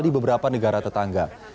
di beberapa negara tetangga